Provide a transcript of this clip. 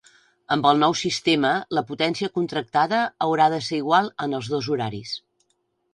Amb el nou sistema, la potència contractada haurà de ser igual en els dos horaris.